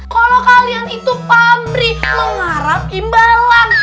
kalau kalian itu pabrik mengharap imbalan